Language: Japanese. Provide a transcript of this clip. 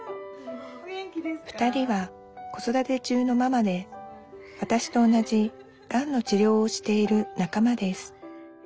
２人は子育て中のママでわたしと同じがんの治療をしている仲間です